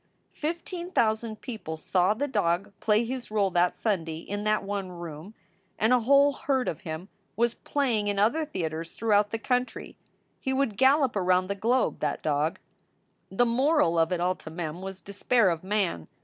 Fifteen thousand people saw the dog play his role that Sunday in that one room, and a whole herd of him was play ing in other theaters throughout the country. He would gallop around the globe, that dog. The moral of it all to Mem was despair of man.